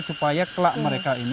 supaya kelak mereka ini